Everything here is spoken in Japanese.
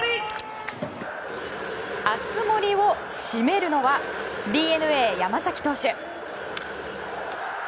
熱盛を締めるのはＤｅＮＡ山崎投手。